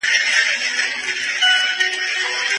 که ټولنپوهنه نه وي نو د ټولنیزو بدلونونو درک به ستونزمن وي.